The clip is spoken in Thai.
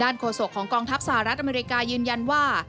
โฆษกของกองทัพสหรัฐอเมริกายืนยันว่า